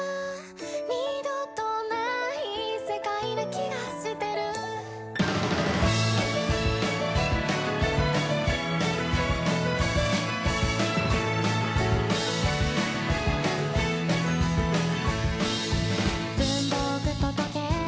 「二度とない世界な気がしてる」「文房具と時計